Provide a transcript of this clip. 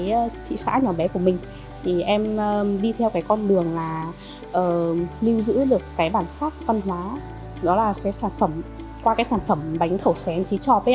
cái thị xã nhỏ bé của mình thì em đi theo cái con đường là lưu giữ được cái bản sắc văn hóa đó là sẽ sản phẩm qua cái sản phẩm bánh khẩu xé chí chọt đấy ạ